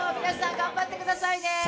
皆さん頑張ってくださいね。